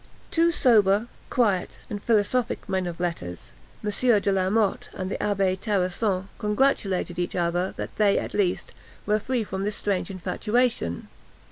Two sober, quiet, and philosophic men of letters, M. de la Motte and the Abbé Terrason, congratulated each other, that they, at least, were free from this strange infatuation.